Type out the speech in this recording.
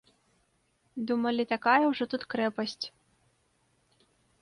Думалі, такая ўжо тут крэпасць.